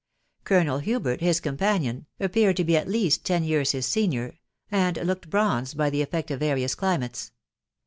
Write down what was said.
Colonel Hu bert, his companion, appeared to be at least ten years his senior, and looked bronzed by the effect if various, climates.